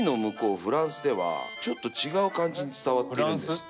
フランスではちょっと違う感じに伝わっているんですって。